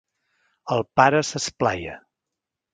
El pare s'esplaia.